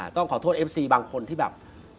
ต้องขอโทษเอฟซีบางคนที่แบบ